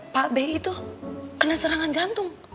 pak bi itu kena serangan jantung